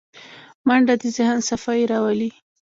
منډه د ذهن صفايي راولي